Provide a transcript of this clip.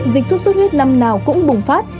dịch suốt suốt huyết năm nào cũng bùng phát